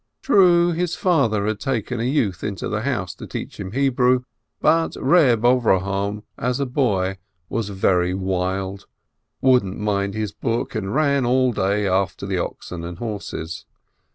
True, his father had taken a youth into the house to teach him Hebrew, but Reb Avrohom as a boy was very wild, wouldn't mind his book, and ran all day after the oxen and horses.